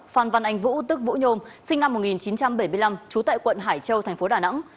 phan văn anh vũ tức vũ nhôm sinh năm một nghìn chín trăm bảy mươi năm trú tại quận hải châu thành phố đà nẵng